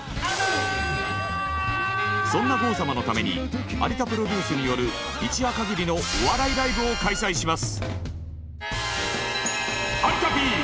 そんな郷様のために有田プロデュースによる一夜かぎりのお笑いライブを開催します。